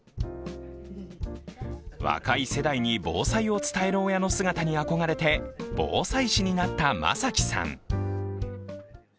若い世代に防災を伝える親の姿にあこがれて防災士になった眞輝さん。